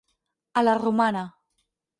A la romana.